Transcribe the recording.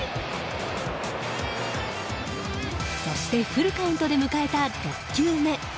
そして、フルカウントで迎えた６球目。